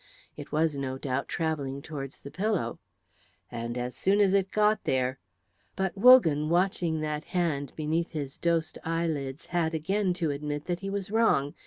It was, no doubt, travelling towards the pillow, and as soon as it got there but Wogan watching that hand beneath his dosed eyelids had again to admit that he was wrong.